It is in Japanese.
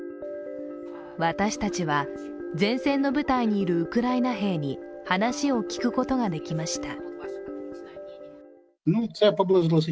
私たちは、前線の部隊にいるウクライナ兵に話を聞くことができました。